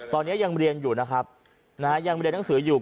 ตอนนี้ยังเรียนอยู่นะครับยังเรียนหนังสืออยู่